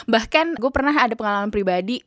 bahkan gue pernah ada pengalaman pribadi